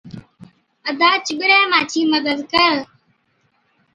’ادا چِٻرَي، مانڇِي مدد ڪر‘۔